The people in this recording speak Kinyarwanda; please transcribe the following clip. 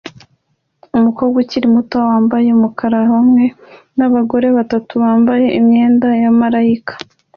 Umukobwa ukiri muto wambaye umukara hamwe nabagore batatu bambaye imyenda ya malayika